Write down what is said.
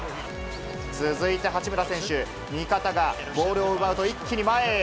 続いて、八村選手、味方がボールを奪うと、一気に前へ。